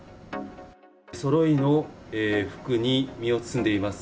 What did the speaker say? そろいの服に身を包んでいます。